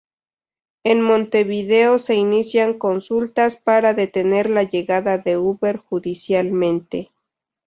En Montevideo se inicia consultas para detener la llegada de Uber judicialmente.